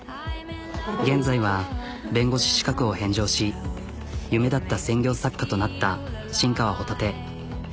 現在は弁護士資格を返上し夢だった専業作家となった新川帆立。